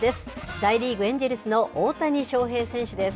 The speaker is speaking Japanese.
大リーグ・エンジェルスの大谷翔平選手です。